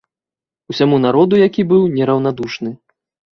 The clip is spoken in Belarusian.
Усяму народу, які быў нераўнадушны.